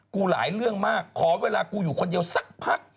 หลายเรื่องมากขอเวลากูอยู่คนเดียวสักพัก